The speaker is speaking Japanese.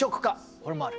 これもある。